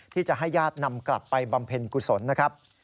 ที่จะให้ญาตินำกลับไปบำเพ็ญกุศลนะครับ